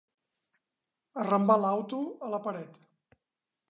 Arrambar l'auto a la paret.